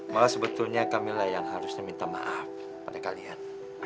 malah sebetulnya kamilah yang harusnya minta maaf pada kalian